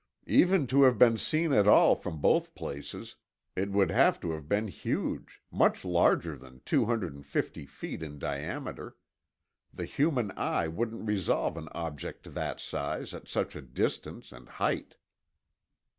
Even to have been seen at all from both places, it would. have to have been huge—much larger than two hundred and fifty feet in diameter. The human eye wouldn't resolve an object that size, at such a distance and height."